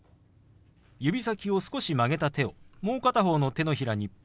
指先を少し曲げた手をもう片方の手のひらにポンと置きます。